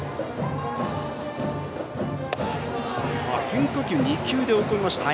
変化球、２球で追い込みました。